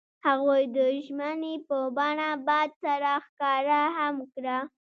هغوی د ژمنې په بڼه باد سره ښکاره هم کړه.